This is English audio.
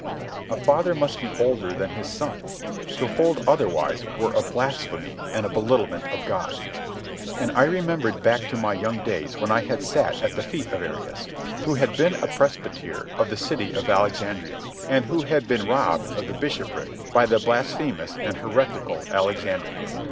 A father must be older than his son. To hold otherwise were a blasphemy and a belittlement of God. And I remembered back to my young days when I had sat at the feet of Arius, who had been a presbyter of the city of Alexandria, and who had been robbed of the bishopric by the blasphemous and heretical Alexander.